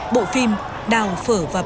bộ phim đào phở và bà nội